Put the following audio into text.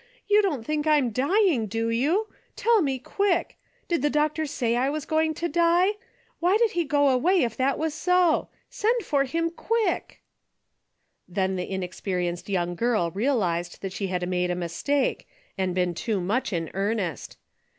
You don't think I am dying, do you ? Tell me, quick ! Did the doctor say I was going to die ? Why did he go away if that was so ? Send for him quick !" Then the inexperienced young girl realized that she had made a mistake and been too much in earnest.